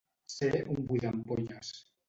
Ser un buidaampolles.